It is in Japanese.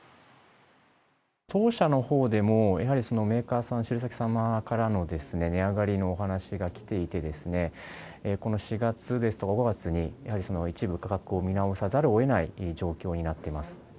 当社のほうでも、やはりメーカーさん、仕入れ先様からの値上がりのお話が来ていてですね、この４月ですとか、５月に、やはり一部価格を見直さざるをえない状況になっています。